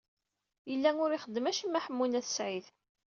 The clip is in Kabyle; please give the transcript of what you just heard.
Yella ur ixeddem acemma Ḥemmu n At Sɛid.